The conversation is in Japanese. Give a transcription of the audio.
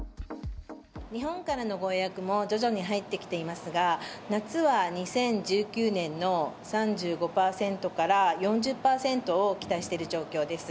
日本からのご予約も徐々に入ってきていますが、夏は２０１９年の３５％から４０％を期待している状況です。